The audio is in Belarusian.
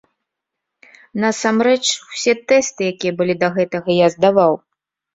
На сам рэч, усе тэсты, якія былі да гэтага, я здаваў.